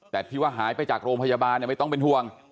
แต่ที่ว่าหายไปจากโรงพยาบาลไม่ต้องเป็นห่วง